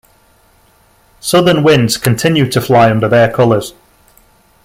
Southern Winds continued to fly under their colours.